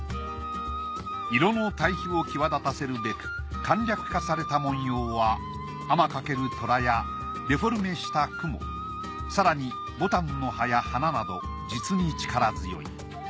色の対比を際立たせるべく簡略化された文様は天翔る虎やデフォルメした雲更に牡丹の葉や花など実に力強い。